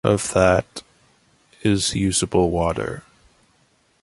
Of that, is "usable" water.